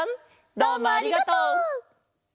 どうもありがとう。